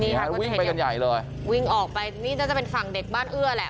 นี่ค่ะวิ่งไปกันใหญ่เลยวิ่งออกไปนี่น่าจะเป็นฝั่งเด็กบ้านเอื้อแหละ